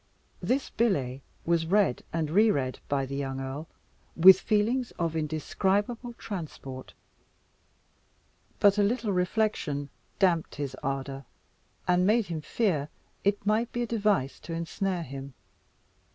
This billet was read and re read by the young earl with feelings of indescribable transport; but a little reflection damped his ardour, and made him fear it might be a device to ensnare him.